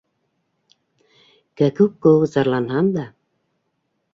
Кәкүк кеүек зарланһам да